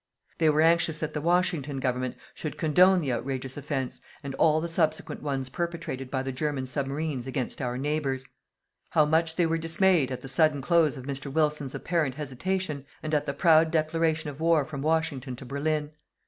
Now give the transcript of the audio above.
They were anxious that the Washington Government should condone the outrageous offence and all the subsequent ones perpetrated by the German submarines against our neighbours. How much they were dismayed at the sudden close of Mr. Wilson's apparent hesitation, and at the proud declaration of war from Washington to Berlin.